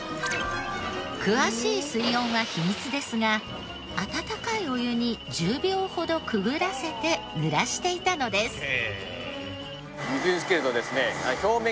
詳しい水温は秘密ですが温かいお湯に１０秒ほどくぐらせてぬらしていたのです。